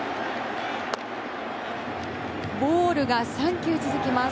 ボールが３球続きます。